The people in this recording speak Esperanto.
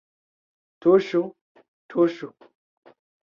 Tuŝu, tuŝu